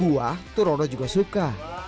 buah turono juga suka